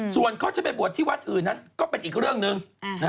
ส่วนเขาจะไปบวชที่วัดอื่นนั้นก็เป็นอีกเรื่องหนึ่ง